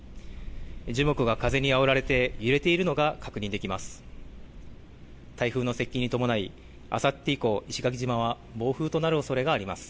樹木が風にあおられて、揺れているのが確認できます。